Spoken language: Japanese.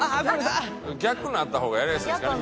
逆になった方がやりやすいですかね